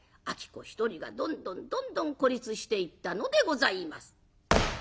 子一人がどんどんどんどん孤立していったのでございます。